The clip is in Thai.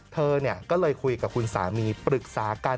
เธอก็เลยคุยกับคุณสามีปรึกษากัน